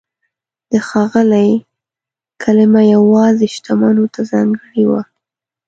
د "ښاغلی" کلمه یوازې شتمنو ته ځانګړې وه.